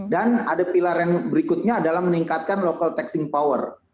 dan ada pilar yang berikutnya adalah meningkatkan local taxing power